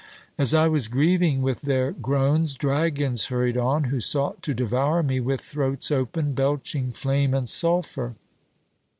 As I was grieving with their groans, dragons hurried on, who sought to devour me with throats open, belching flame and sulphur.